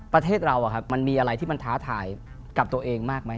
ประเทศเรามันมีอะไรที่มันท้าทายกับตัวเองมากไหม